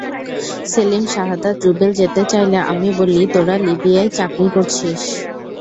সেলিম, শাহাদাত, রুবেল যেতে চাইলে আমি বলি, তোরা লিবিয়ায় চাকরি করছিস।